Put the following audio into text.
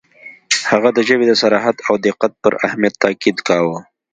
• هغه د ژبې د صراحت او دقت پر اهمیت تأکید کاوه.